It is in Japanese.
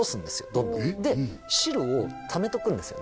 丼にで汁をためとくんですよ